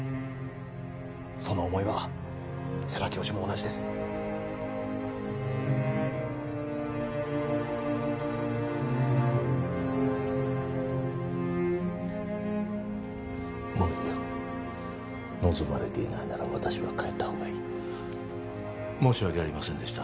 その思いは世良教授も同じですもういいよ望まれていないなら私は帰ったほうがいい申し訳ありませんでした